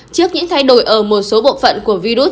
trước những thay đổi ở một số bộ phận của virus